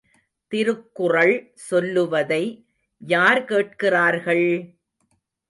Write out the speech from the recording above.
திருக்குறள் சொல்லுவதை யார் கேட்கிறார்கள்!